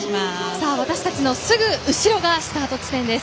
私たちのすぐ後ろがスタート地点です。